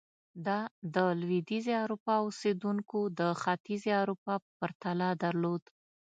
دا د لوېدیځې اروپا اوسېدونکو د ختیځې اروپا په پرتله درلود.